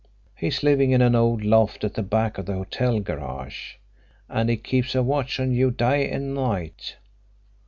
He's living in an old loft at the back of the hotel garage, and he keeps a watch on you day and night.